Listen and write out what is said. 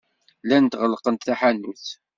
Llant ɣellqent taḥanut.